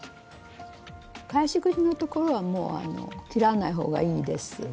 返し口のところはもう切らない方がいいです。